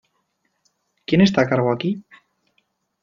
¿ Quién está a cargo aquí?